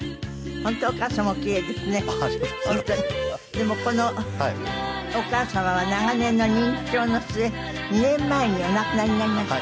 でもこのお母様は長年の認知症の末２年前にお亡くなりになりました。